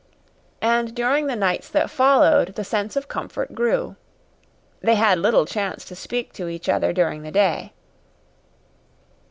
And during the nights that followed the sense of comfort grew. They had little chance to speak to each other during the day.